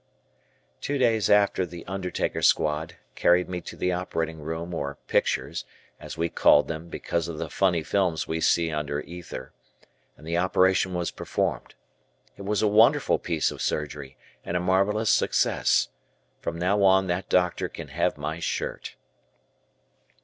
Two days after the undertaker squad carried me to the operating room or "pictures," as we called them because of the funny films we see under ether, and the operation was performed. It was a wonderful piece of surgery, and a marvelous success. From now on that doctor can have my shirt.